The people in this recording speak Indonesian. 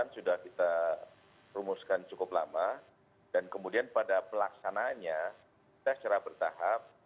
sudah kita rumuskan cukup lama dan kemudian pada pelaksanaannya kita secara bertahap